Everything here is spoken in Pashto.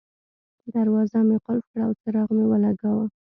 دروازه مې قلف کړه او څراغ مې ولګاوه.